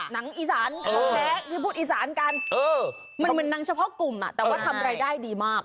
หนังอีสานแท้ที่พูดอีสานกันมันเหมือนหนังเฉพาะกลุ่มแต่ว่าทำรายได้ดีมาก